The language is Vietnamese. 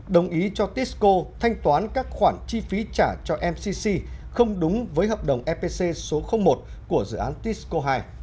đồng ý cho tisco thanh toán các khoản chi phí trả cho mcc không đúng với hợp đồng fpc số một của dự án tisco hai